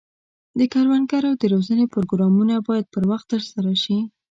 د کروندګرو د روزنې پروګرامونه باید پر وخت ترسره شي.